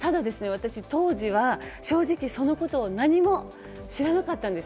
私、当時は正直、そのことを何も知らなかったんです。